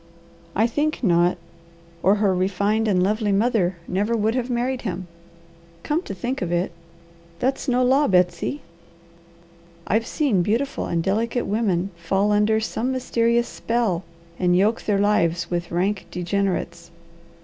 I think not or her refined and lovely mother never would have married him. Come to think of it, that's no law, Betsy. I've seen beautiful and delicate women fall under some mysterious spell, and yoke their lives with rank degenerates.